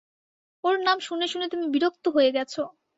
ওর নাম শুনে শুনে তুমি বিরক্ত হয়ে গেছ।